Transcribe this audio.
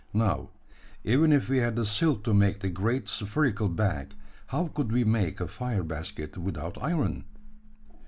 Now, even if we had the silk to make the great spherical bag, how could we make a fire basket without iron?"